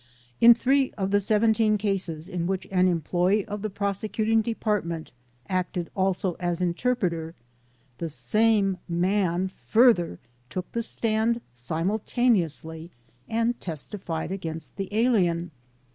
In 3 of the 17 cases in which an employee of the prose cuting department acted also as interpreter, the same man further took the stand simultaneously and testified against the alien.